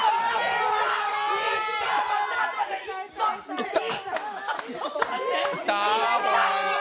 いった！！